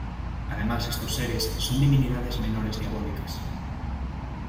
Además estos seres son divinidades menores diabólicas.